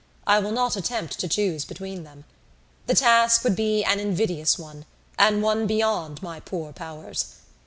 I will not attempt to choose between them. The task would be an invidious one and one beyond my poor powers.